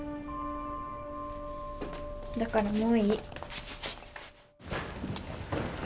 だからもういい。